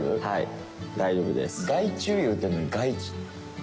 はい。